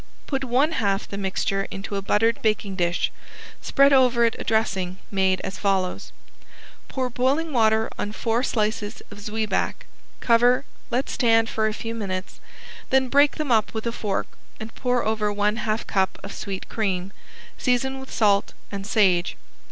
Put one half the mixture into a buttered baking dish, spread over it a dressing made as follows: Pour boiling water on four slices of zweiback, cover, let stand for a few minutes, then break them up with a fork and pour over one half cup of sweet cream, season with salt and sage.